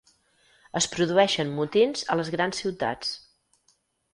Es produeixen motins a les grans ciutats.